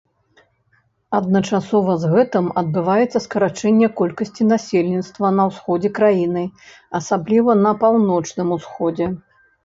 Адначасова з гэтым адбываецца скарачэнне колькасці насельніцтва на ўсходзе краіны, асабліва на паўночным усходзе.